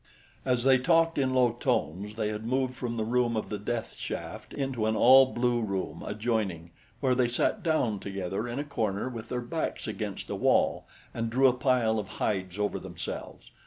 As they talked in low tones they had moved from the room of the death shaft into an all blue room adjoining, where they sat down together in a corner with their backs against a wall and drew a pile of hides over themselves.